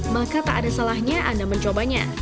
maka tak ada salahnya anda mencobanya